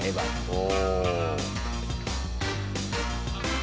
お。